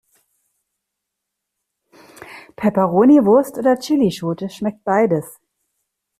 Peperoniwurst oder Chillischote schmeckt beides.